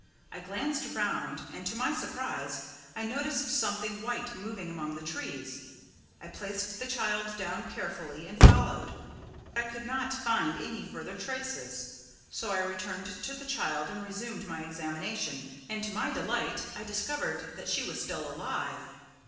I glanced around, and to my surprise, I noticed something white moving among the trees. I placed the child down carefully, and followed, but I could not find any further traces. So I returned to the child and resumed my examination, and, to my delight, I discovered that she was still alive.